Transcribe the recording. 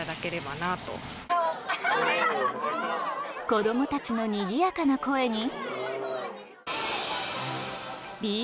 子供たちのにぎやかな声にＢＧＭ。